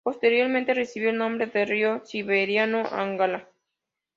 Posteriormente, recibió el nombre del río siberiano Angará.